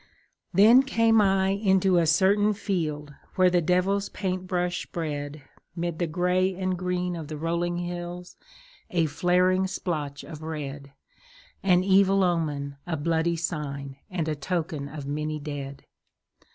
Then came I into a certain field Where the devil's paint brush spread 'Mid the gray and green of the rolling hills A flaring splotch of red, An evil omen, a bloody sign, And a token of many dead.